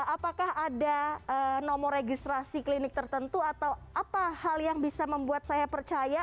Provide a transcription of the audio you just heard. apakah ada nomor registrasi klinik tertentu atau apa hal yang bisa membuat saya percaya